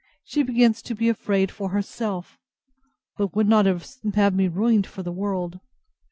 she begins to be afraid for herself; but would not have me ruined for the world.